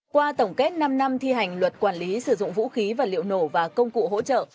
qua tổng kết năm năm thi hành luật quản lý sử dụng vũ khí và liệu nổ và công cụ hỗ trợ